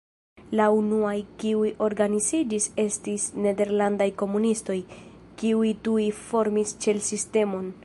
La unuaj kiuj organiziĝis estis nederlandaj komunistoj, kiuj tuj formis ĉel-sistemon.